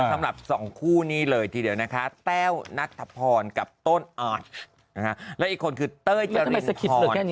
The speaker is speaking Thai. สำหรับสองคู่นี้เลยทีเดียวนะคะแต้วนัทธพรกับต้นอาจและอีกคนคือเต้ยเจริสคิต